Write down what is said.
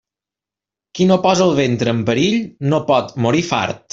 Qui no posa el ventre en perill, no pot morir fart.